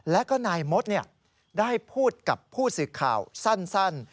แล้วก็นายมดได้พูดกับผู้สื่อข่าวสั้น